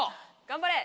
頑張れ！